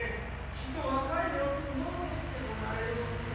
きっと若い芽を摘もうとしておられるのです。